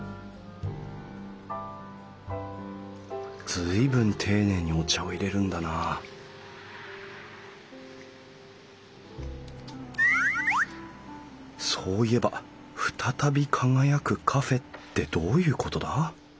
随分丁寧にお茶を淹れるんだなそういえば「ふたたび輝くカフェ」ってどういうことだ？